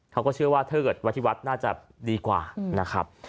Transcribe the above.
เขาก็เชื่อว่าถ้าเกิดไว้ที่วัดน่าจะดีกว่านะครับ